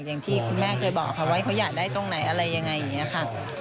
อย่างที่คุณแม่เคยบอกค่ะว่าเขาอยากได้ตรงไหนอะไรยังไงอย่างนี้ค่ะ